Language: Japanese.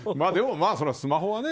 でも、スマホはね